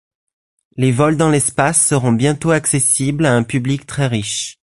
Les vols dans l'espace seront bientôt accessibles à un public très riche.